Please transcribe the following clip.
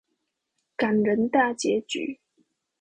感人大結局